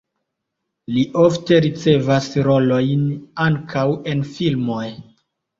Li ofte ricevas rolojn ankaŭ en filmoj.